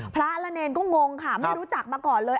พระและเนรก็งงค่ะไม่รู้จักมาก่อนเลย